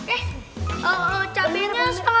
eh cabenya satu lima kg